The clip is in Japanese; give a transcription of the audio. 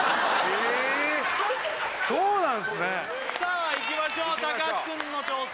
そうなんすねさあいきましょう高橋くんの挑戦